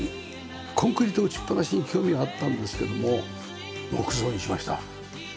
コンクリート打ちっぱなしに興味はあったんですけども木造にしました。